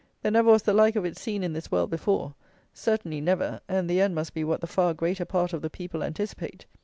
There never was the like of it seen in this world before. Certainly never; and the end must be what the far greater part of the people anticipate.